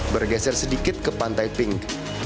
bergeser sedikit ke pantai pink